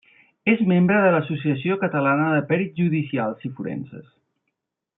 És membre de l'Associació Catalana de Perits Judicials i Forenses.